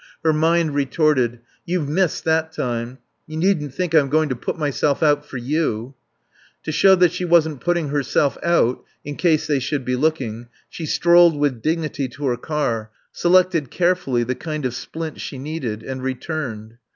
Her mind retorted: "You've missed, that time. You needn't think I'm going to put myself out for you." To show that she wasn't putting herself out (in case they should be looking) she strolled with dignity to her car, selected carefully the kind of splint she needed, and returned.